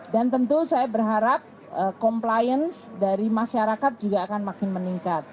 dan tentu saya berharap compliance dari masyarakat juga akan makin meningkat